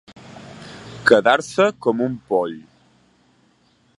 Quedar-se com un poll.